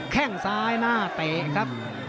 แค่งซ้ายหน้าเตะครับ